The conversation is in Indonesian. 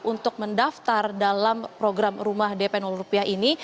untuk mendaftar dalam program rumah dp rupiah ini